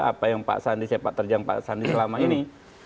apa yang pak sandi sepak terjang pak sandi selama ini